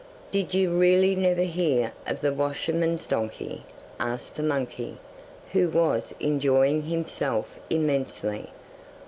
'Did you really never hear of the washerman's donkey?' asked the monkey, who was enjoying himself immensely.